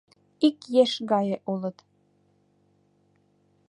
Ик еш гае улыт.